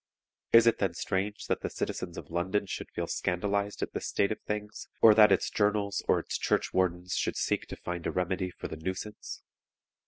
Is it then strange that the citizens of London should feel scandalized at this state of things, or that its journals or its church wardens should seek to find a remedy for the nuisance?